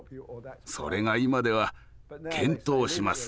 それが今では「検討します。